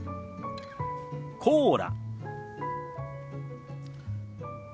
「コーラ」。